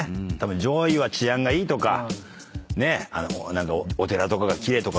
上位は治安がいいとか何かお寺とかが奇麗とか。